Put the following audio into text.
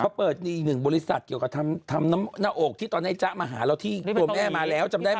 เขาเปิดมีอีกหนึ่งบริษัทเกี่ยวกับทำหน้าอกที่ตอนนี้จ๊ะมาหาเราที่ตัวแม่มาแล้วจำได้ไหม